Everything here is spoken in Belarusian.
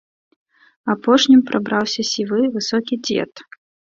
Апошнім прабраўся сівы, высокі дзед.